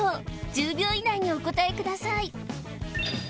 １０秒以内にお答えください